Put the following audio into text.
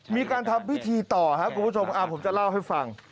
มีการทำพิธีต่อครับคุณผู้ชมผมจะเล่าให้ฟัง